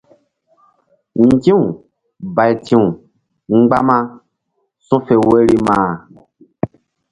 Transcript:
Nzi̧w bayti̧w mgbama su̧fe woyri ma.